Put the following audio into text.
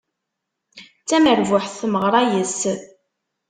D tamerbuḥt tmeɣra yes-s.